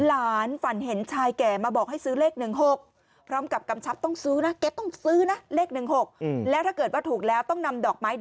หลานฝันเห็นชายแกมาบอกให้ซื้อเลขหนึ่งหกพร้อมกับกำชับต้องซื้อนะ